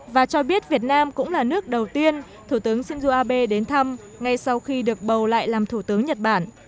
và cho biết việt nam cũng là nước đầu tiên thủ tướng shinzo abe đến thăm ngay sau khi được bầu lại làm thủ tướng nhật bản